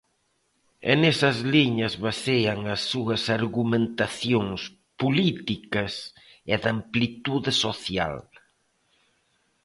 E nesas liñas basean as súas argumentacións políticas e de amplitude social.